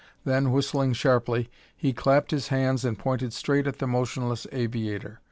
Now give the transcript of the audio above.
Then, whistling sharply, he clapped his hands and pointed straight at the motionless aviator.